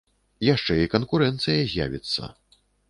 Яшчэ і канкурэнцыя з'явіцца.